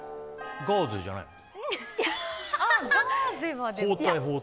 ガーゼじゃないの？